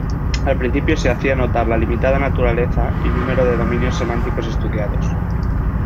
Al principio se hacía notar la limitada naturaleza y número de dominios semánticos estudiados.